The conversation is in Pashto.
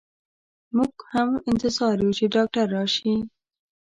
مو ږ هم انتظار يو چي ډاکټر راشئ.